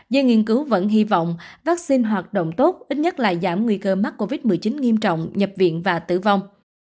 giới nghiên cứu vẫn hy vọng vaccine hoạt động tốt ít nhất là giảm nguy cơ mắc covid một mươi chín nghiêm trọng nhập viện và tử vong